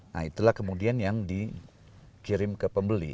nah itulah kemudian yang dikirim ke pembeli